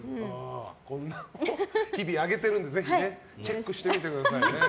こんなものを日々上げてるのでチェックしてみてくださいね。